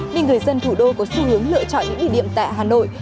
nên người dân thủ đô có xu hướng lựa chọn những địa điểm tại hà nội